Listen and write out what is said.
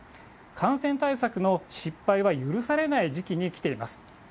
感染対策の失敗は許されない時期に来ています。